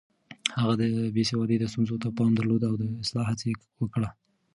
هغه د بې سوادۍ ستونزو ته پام درلود او د اصلاح هڅه يې وکړه.